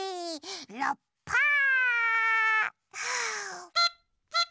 ラッパー！